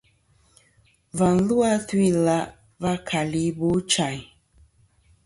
Và lu a tu-ila' va keli Ibochayn.